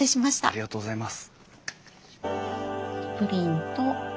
ありがとうございます。